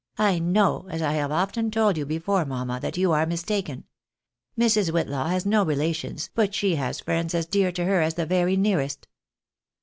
I Jcnoio, as I have often told you before, mamma, that you are mistaken. Mrs. Whitlaw has no relations, but she has friends as dear to her as the very nearest."